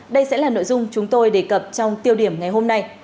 đây sẽ là nội dung chúng tôi đề cập trong tiêu điểm ngày hôm nay